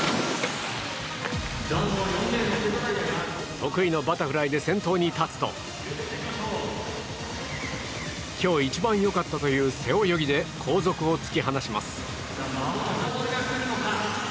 得意のバタフライで先頭に立つと今日一番良かったという背泳ぎで後続を突き放します。